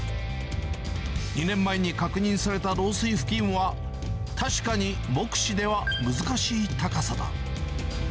２年前に確認された漏水付近は、確かに目視では難しい高さだ。